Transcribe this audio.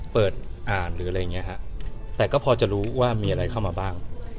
เปิดอ่านหรืออะไรอย่างนี้ฮะแต่ก็พอจะรู้ว่ามีอะไรเข้ามาบ้าง